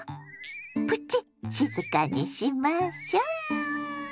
プチ静かにしましょ。